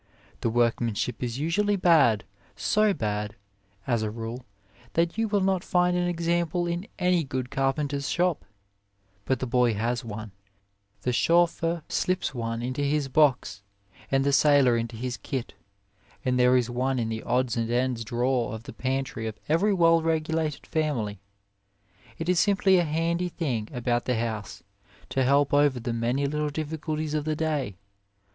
The workman ship is usually bad, so bad, as a rule, that you will not find an example in any good car penter s shop; but the boy has one, the chauffeur slips one into 7 A WAY his box, and the sailor into his kit, and there is one in the odds and ends drawer of the pantry of every well regulated family. It is simply a handy thing about the house, to help over the many little difficulties of the day.